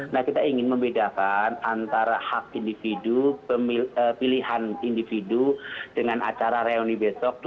nah kita ingin membedakan antara hak individu pilihan individu dengan acara reuni besok dua ratus dua belas